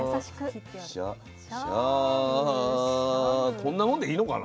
こんなもんでいいのかな？